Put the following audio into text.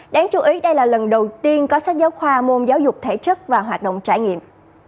đáng chú ý đây là lần đầu tiên có sách giáo khoa môn giáo dục thể chất và hoạt động trải nghiệm